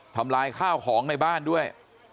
ทำลายข้าวของในบ้านด้วย